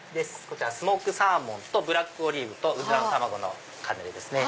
こちらスモークサーモンとブラックオリーブとウズラの卵のカヌレですね。